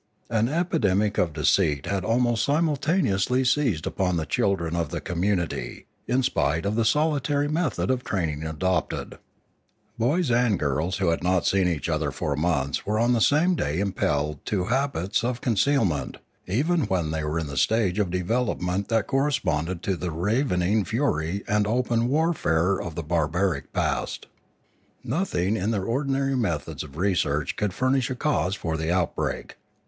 An epi demic of deceit had almost simultaneously seized upon the children of the community, in spite of the solitary method of training adopted, Boys and girls who had 596 Limanora not seen each other for months were on the same day impelled to habits of concealment, even when they were in the stage of development that corresponded to the ravening fury and open warfare of the barbaric past. Nothing in their ordinary methods of research could furnish a cause for the outbreak.